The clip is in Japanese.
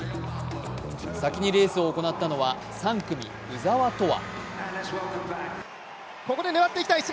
先にレースを行ったのは３組・鵜澤飛羽。